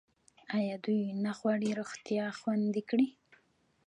آیا دوی نه غواړي روغتیا خوندي کړي؟